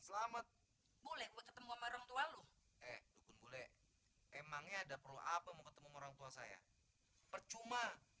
selamat boleh ketemu orang tua lu emangnya ada perlu apa mau ketemu orang tua saya percuma